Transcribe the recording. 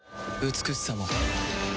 美しさも